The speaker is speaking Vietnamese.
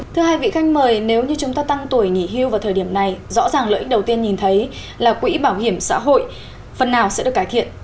thưa hai vị khách mời nếu như chúng ta tăng tuổi nghỉ hưu vào thời điểm này rõ ràng lợi ích đầu tiên nhìn thấy là quỹ bảo hiểm xã hội phần nào sẽ được cải thiện